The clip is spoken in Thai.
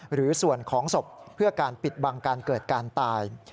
หรือส่วนของศพเพื่อการปิดบังการเกิดการตาย